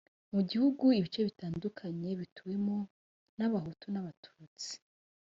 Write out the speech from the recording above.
mu gihugu ibice bitandukanye bituwemo n’abahutu n’ abatutsi